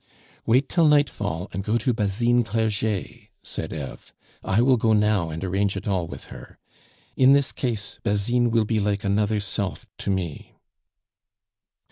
"Wait till nightfall, and go to Basine Clerget," said Eve. "I will go now and arrange it all with her. In this case, Basine will be like another self to me."